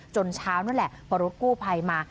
จนเช้านั่นแหละพอรุดกู้ไภมา